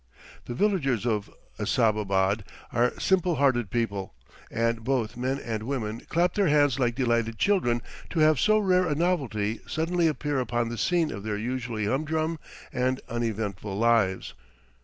The villagers of Assababad are simple hearted people, and both men and women clap their hands like delighted children to have so rare a novelty suddenly appear upon the scene of their usually humdrum and uneventful lives.